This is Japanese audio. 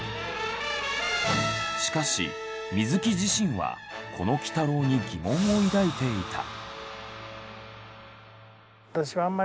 しかし水木自身はこの鬼太郎に疑問を抱いていた。